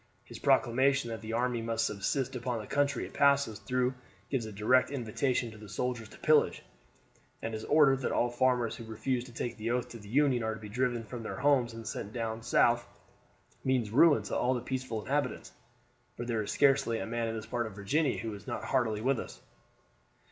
His proclamation that the army must subsist upon the country it passes through gives a direct invitation to the soldiers to pillage, and his order that all farmers who refuse to take the oath to the Union are to be driven from their homes and sent down south means ruin to all the peaceful inhabitants, for there is scarcely a man in this part of Virginia who is not heartily with us."